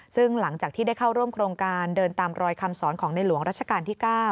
ซึ่งหลังจากที่ได้เข้าร่วมโครงการเดินตามรอยคำสอนของในหลวงรัชกาลที่๙